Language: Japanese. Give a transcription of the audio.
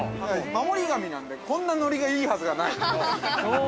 ◆守り神なんで、こんなノリがいいはずがない。